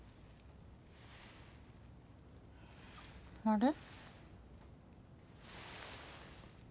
あれ？